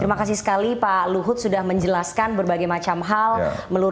terima kasih sekali pak luhut sudah menjelaskan berbagai macam hal